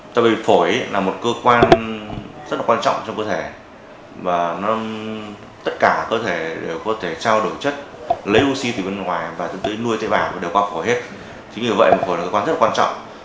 tại vì phổi là một cơ quan rất là quan trọng cho cơ thể và nó tất cả cơ thể đều có thể trao đổi chất lấy oxy từ bên ngoài và dẫn tới nuôi tê bào và đều qua phổi hết chính vì vậy phổi là một cơ quan rất là quan trọng